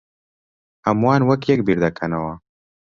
ھەمووان وەک یەک بیردەکەنەوە.